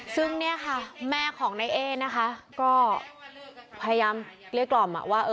ซึ่งเนี่ยค่ะแม่ของนายเอ๊นะคะก็พยายามเกลี้ยกล่อมว่า